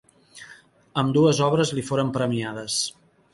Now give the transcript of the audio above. Ambdues obres li foren premiades.